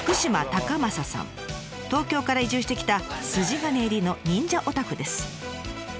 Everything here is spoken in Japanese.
東京から移住してきた筋金入りの忍者オタクです。